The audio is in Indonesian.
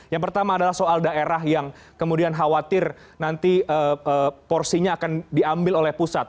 yang pertama adalah soal daerah yang kemudian khawatir nanti porsinya akan diambil oleh pusat